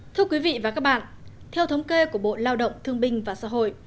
thưa quý vị và các bạn theo thống kê của bộ lao động thương binh và xã hội